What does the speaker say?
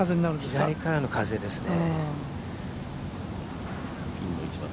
左からの風ですね。